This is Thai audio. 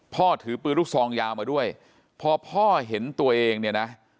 ถือปืนลูกซองยาวมาด้วยพอพ่อเห็นตัวเองเนี่ยนะ